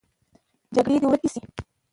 جګړې دې ورکې شي